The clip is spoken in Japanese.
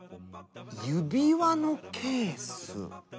指輪のケース。